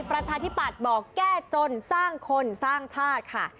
ประชาธิปัตย์บอกแก้จนสร้างคนสร้างชาติค่ะ